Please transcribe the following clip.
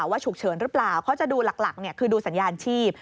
ฉุกเฉินหรือเปล่าเขาจะดูหลักคือดูสัญญาณชีพ